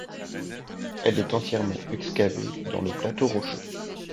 Elle est entièrement excavée dans le plateau rocheux.